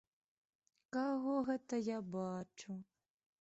Каго гэта я бачу?